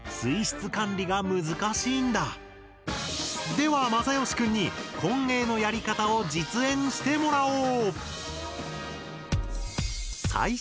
ではまさよしくんに混泳のやり方を実演してもらおう。